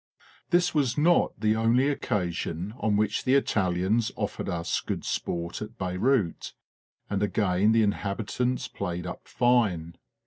* This was not the only occasion on which the Italians offered us good sport at Beyrout, and again the in habitants played up fine.